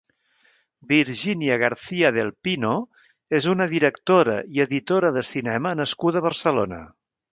Virginia García del Pino és una directora i editora de cinema nascuda a Barcelona.